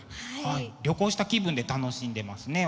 旅行した気分で楽しんでますね